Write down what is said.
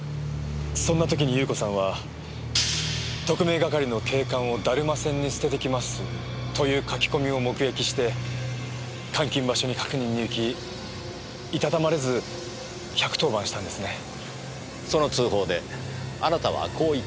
そんな時に優子さんは「特命係の警官をだるま船に捨ててきまっす」という書き込みを目撃して監禁場所に確認に行きいたたまれず１１０番したんですね。その通報であなたはこう言っています。